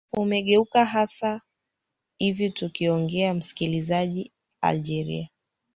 umegeuka sasa hivi tukiongea msikilizaji algeria